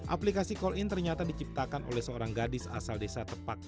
aplikasi call in ternyata diciptakan oleh seorang gadis asal desa tepak